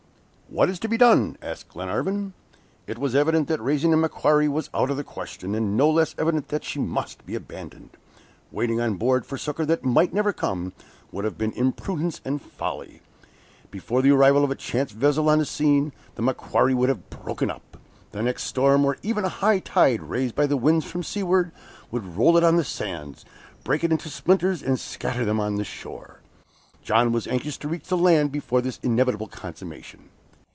"What is to be done?" asked Glenarvan. It was evident that raising the MACQUARIE was out of the question, and no less evident that she must be abandoned. Waiting on board for succor that might never come, would have been imprudence and folly. Before the arrival of a chance vessel on the scene, the MACQUARIE would have broken up. The next storm, or even a high tide raised by the winds from seaward, would roll it on the sands, break it up into splinters, and scatter them on the shore. John was anxious to reach the land before this inevitable consummation.